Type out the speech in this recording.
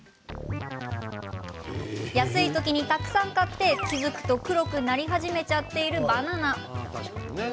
安い時に、たくさん買って気付くと黒くなり始めちゃっているバナナ。